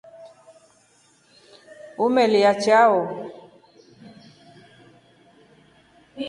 Umelya chao?